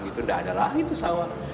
itu nggak ada lagi tuh sawah